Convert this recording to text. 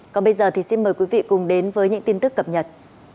còn bây giờ thì xin mời quý vị cùng đến với những tin tức cập nhật